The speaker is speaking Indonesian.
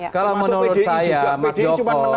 kalau menurut saya mas joko